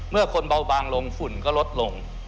เมื่อคนเบาบางลงฝุ่นก็ลดลง